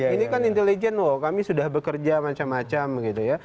ini kan intelijen wah kami sudah bekerja macam macam gitu ya